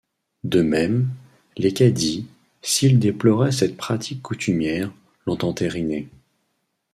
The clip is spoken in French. De même, les cadis, s'ils déploraient cette pratique coutumière, l'ont entérinée.